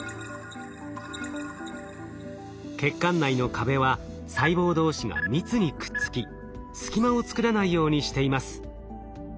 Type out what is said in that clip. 血管内の壁は細胞同士が密にくっつき隙間を作らないようにしています。